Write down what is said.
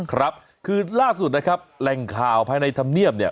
ครับคือล่าสุดนะครับแหล่งข่าวภายในธรรมเนียบเนี่ย